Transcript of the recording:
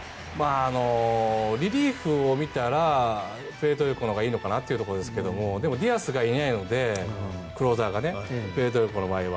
リリーフを見たらプエルトリコのほうがいいのかなというところですがでもディアスがいないのでクローザーがねプエルトリコの場合は。